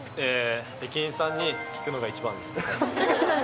駅員さんに聞くのが一番です。